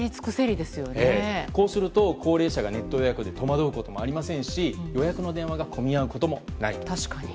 こうなると高齢者がネット予約に戸惑うこともありませんし予約の電話が混雑することもない。